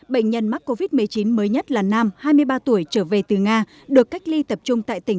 bệnh nhân mắc covid một mươi chín mới nhất là nam hai mươi ba tuổi trở về từ nga được cách ly tập trung tại tỉnh